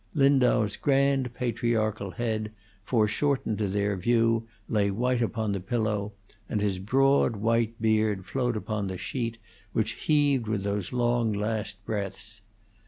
Lindau's grand, patriarchal head, foreshortened to their view, lay white upon the pillow, and his broad, white beard flowed upon the sheet, which heaved with those long last breaths.